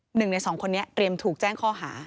หนึ่งในสองคนนี้เตรียมถูกแจ้งข้อหา